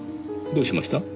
どうしました？